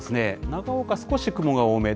長岡、少し雲が多め。